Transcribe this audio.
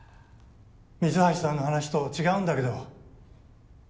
三橋さんの話と違うんだけど。